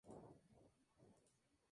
Es la puerta a la isla Usedom.